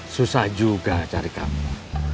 susah juga cari kamu